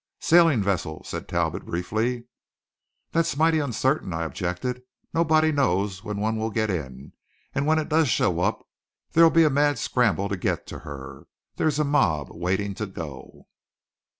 "Sailing vessel," said Talbot briefly. "That's mighty uncertain," I objected. "Nobody knows when one will get in; and when it does show up it'll be a mad scramble to get to her. There's a mob waiting to go."